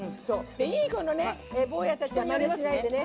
いい子のね坊やたちはまねしないでね。